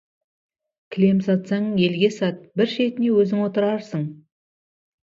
Кілем сатсаң, елге сат, бір шетіне өзің отырасың.